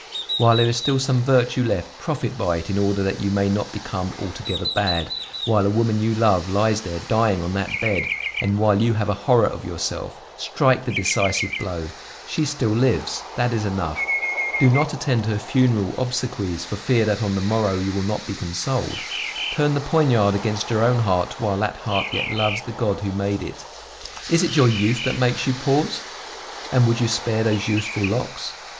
While there is still some virtue left, profit by it in order that you may not become altogether bad; while a woman you love lies there dying on that bed, and while you have a horror of yourself, strike the decisive blow; she still lives; that is enough; do not attend her funeral obsequies for fear that on the morrow you will not be consoled; turn the poignard against your own heart while that heart yet loves the God who made it. Is it your youth that makes you pause? And would you spare those youthful locks?